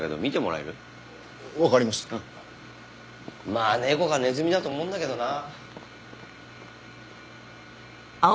まあ猫かネズミだと思うんだけどな。